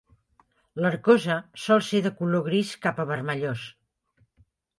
L'arcosa sol ser de color gris cap a vermellós.